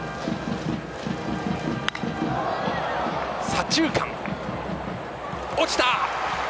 左中間、落ちた！